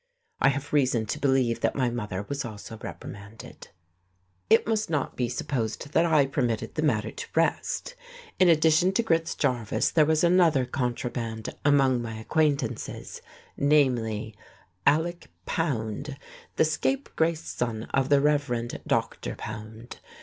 I have reason to believe that my mother was also reprimanded. It must not be supposed that I permitted the matter to rest. In addition to Grits Jarvis, there was another contraband among my acquaintances, namely, Alec Pound, the scrape grace son of the Reverend Doctor Pound.